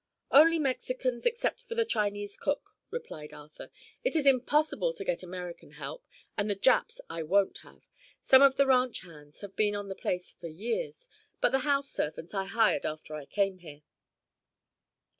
"Only Mexicans, except for the Chinese cook," replied Arthur. "It is impossible to get American help and the Japs I won't have. Some of the ranch hands have been on the place for years, but the house servants I hired after I come here."